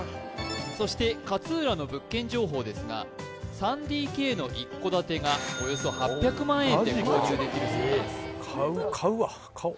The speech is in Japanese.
そして勝浦の物件情報ですが３ＤＫの一戸建てがおよそ８００万円で購入できるそうですマジか買おう